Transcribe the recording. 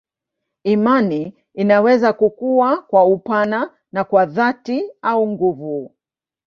Imani inaweza kukua kwa upana na kwa dhati au nguvu.